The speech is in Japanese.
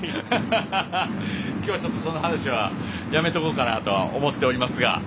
今日はちょっとその話はやめておこうかなと思っておりますが。